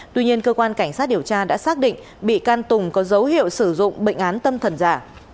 tuy nhiên cơ quan cảnh sát điều tra đã xác định bị can tùng có dấu hiệu sử dụng bệnh án tâm thần giả